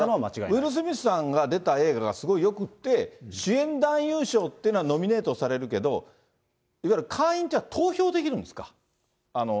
ウィル・スミスさんが出た映画がすごいよくって、主演男優賞というのはノミネートされるけど、いわゆる会員っていうのは、投票できるんですか？